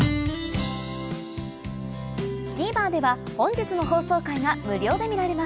ＴＶｅｒでは本日の放送回が無料で見られます